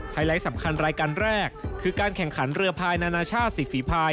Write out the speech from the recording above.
ไลท์สำคัญรายการแรกคือการแข่งขันเรือพายนานาชาติ๔ฝีภาย